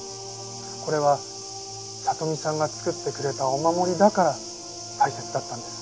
これは里美さんが作ってくれたお守りだから大切だったんです。